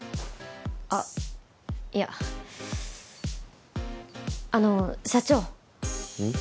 あっいやあの社長うん？